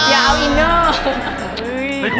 อย่าเอาอินเนอร์